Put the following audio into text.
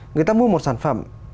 người ta mua một sản phẩm